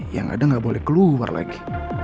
yang ada nggak boleh keluar lagi